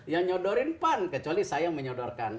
yang nyodorin pan kecuali saya yang menyodorkan